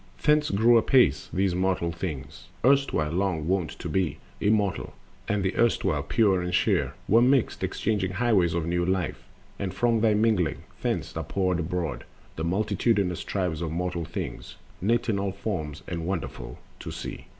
Thence grew apace Those mortal Things, erstwhile long wont to be Immortal, and the erstwhile pure and sheer Were mixed, exchanging highways of new life, And from their mingling thence are poured abroad The multitudinous tribes of mortal things, Knit in all forms and wonderful to see.